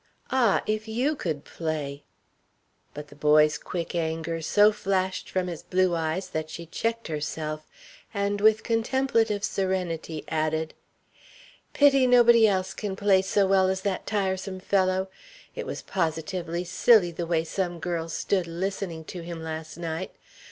Ah, if you could play!" But the boy's quick anger so flashed from his blue eyes that she checked herself and with contemplative serenity added: "Pity nobody else can play so well as that tiresome fellow. It was positively silly, the way some girls stood listening to him last night.